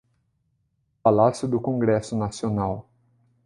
Palácio do Congresso Nacional